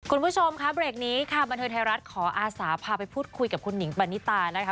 คุณผู้ชมค่ะเบรกนี้ค่ะบันเทิงไทยรัฐขออาสาพาไปพูดคุยกับคุณหิงปณิตานะคะ